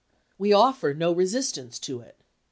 We offer no resistance to it.